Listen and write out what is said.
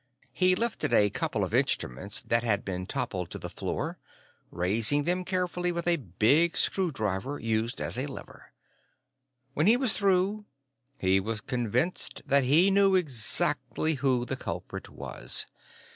He lifted a couple of instruments that had been toppled to the floor, raising them carefully with a big screwdriver, used as a lever. When he was through, he was convinced that he knew exactly who the culprit was.